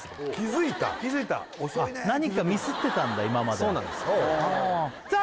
遅いね気づくの何かミスってたんだ今まではそうなんですさあ